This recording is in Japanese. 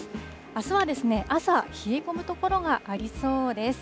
あすは朝、冷え込む所がありそうです。